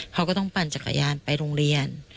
เขาก็ต้องปั่นจักรยานไปโรงเรียน